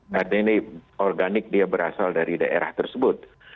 karena ini organik dia berasal dari daerah tersebut